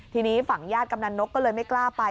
ทีนี้ฝั่งญาติกำนันนกก็เลยไม่กล้าไป